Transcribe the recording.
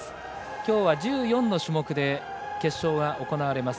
きょうは１４の種目で決勝が行われます。